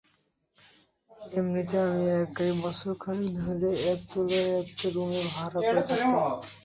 এমনিতে আমি একাই, বছর খানেক ধরে একতলার একটা রুম ভাড়া করে থাকতাম।